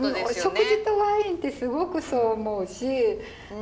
お食事とワインってすごくそう思うし。